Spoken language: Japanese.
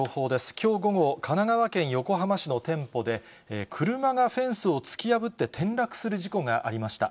きょう午後、神奈川県横浜市の店舗で、車がフェンスを突き破って転落する事故がありました。